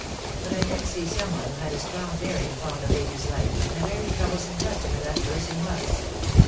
But I did see some one who had a strong bearing upon the lady's life, and a very troublesome customer that person was."